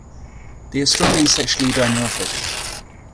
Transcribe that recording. They are strongly sexually dimorphic.